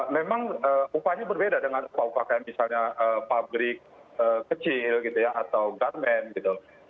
memang upahnya berbeda dengan upah upah kayak misalnya pabrik kecil gitu ya atau garmen gitu